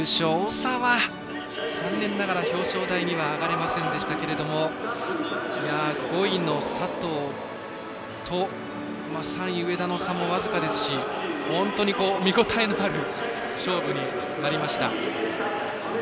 長は残念ながら表彰台には上がれませんでしたが５位の佐藤と３位の上田の差も僅かですし、本当に見応えのある勝負になりました。